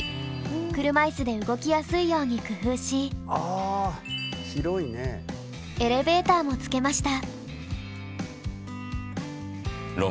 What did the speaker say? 車いすで動きやすいように工夫しエレベーターもつけました。